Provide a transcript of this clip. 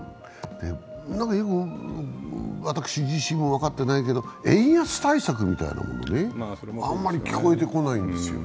なんかよく、私自身も分かってないけど円安対策みたいなもの、あんまり聞こえてこないんですよね。